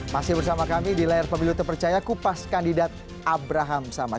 masih bersama kami di layar pemilu terpercaya kupas kandidat abraham samad